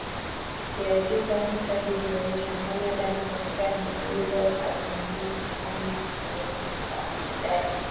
na tisa Hata hivyo kuchanganya damu katika mlo unadidimia kutokana na kupunguka kwa idadi